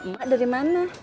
mak dari mana